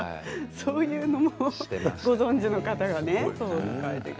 そういうこともご存じの方がね